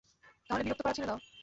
তাহলে বিরক্ত করা ছেড়ে দাও।